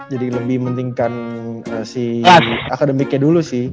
jadi lebih mentingkan si akademiknya dulu sih